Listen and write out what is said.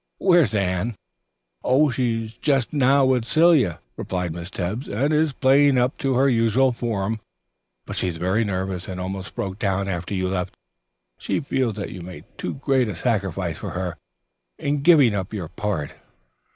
"Where's Anne?" "She's on just now with Celia," replied Miss Tebbs, "and is playing up to her usual form, but she is very nervous and almost broke down after you left. She feels that you made too great a sacrifice for her in giving up your part."